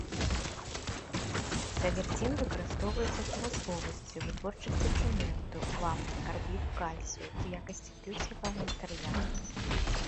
Траверцін выкарыстоўваецца ў прамысловасці ў вытворчасці цэменту, вапны, карбіду кальцыю, у якасці флюсавага матэрыялу.